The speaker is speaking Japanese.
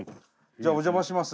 じゃあお邪魔します。